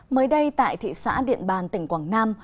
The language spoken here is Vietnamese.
mới đây tại thị xã điện bàn tỉnh quảng nam